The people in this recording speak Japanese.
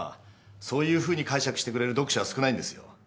そういうふうに解釈してくれる読者は少ないんですよ。